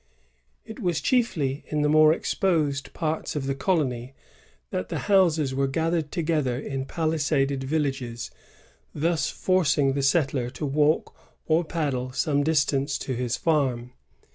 ^ It was chiefly in the more exposed parts of the colony that the houses were gathered together in palisaded villages, thus forcing the settler to walk or paddle some distance to his farm.